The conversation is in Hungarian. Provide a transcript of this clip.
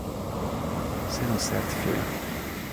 Szenuszert fia.